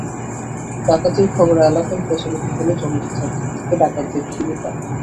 ডাকাতির খবর এলাকায় প্রচারিত হলে জনতা চারদিক থেকে ডাকাতদের ঘিরে ফেলে।